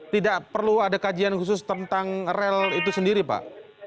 tidak perlu ada kajian khusus tentang rel itu sendiri pak